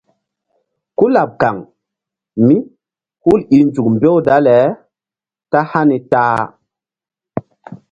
Kú laɓ kaŋ mí hul i nzuk mbew dale ta hani ta-a.